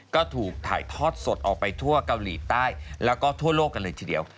ก็ถูกถ่ายทอดสดออกไปทั่วเกาหลีใต้แล้วก็ทั่วโลกกันเลยทีเดียว